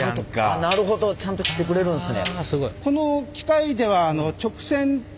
なるほどちゃんと切ってくれるんですね。